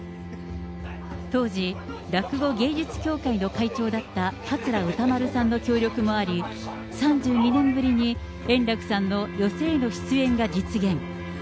当時、落語芸術協会の会長だった桂歌丸さんの協力もあり、３２年ぶりに円楽さんの寄席への出演が実現。